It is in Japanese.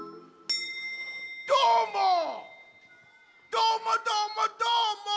どーもどーもどーも！